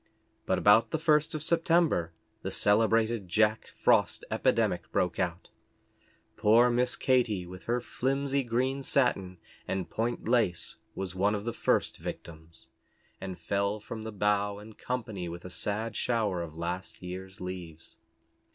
But about the first of September the celebrated Jack Frost epidemic broke out. Poor Miss Katy, with her flimsy green satin, and point lace, was one of the first victims, and fell from the bough in company with a sad shower of last year's leaves.